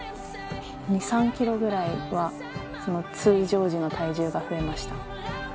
２、３キロぐらいは、通常時の体重が増えました。